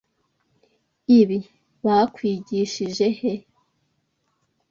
Ibi bakwigishije he?